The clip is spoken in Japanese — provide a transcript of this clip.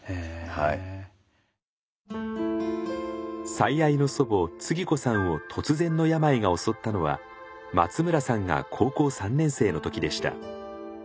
最愛の祖母つぎ子さんを突然の病が襲ったのは松村さんが高校３年生の時でした。